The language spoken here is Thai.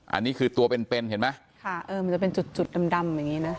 อันนี้คือตัวเป็นเป็นเห็นไหมค่ะเออมันจะเป็นจุดจุดดำดำอย่างงี้นะ